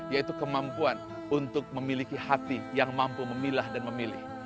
yaitu kemampuan untuk memiliki hati yang mampu memilah dan memilih